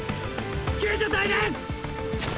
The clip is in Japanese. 救助隊ですっ！